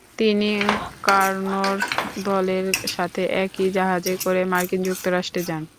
তিনি কার্নোর দলের সাথে একই জাহাজে করে মার্কিন যুক্তরাষ্ট্রে যান।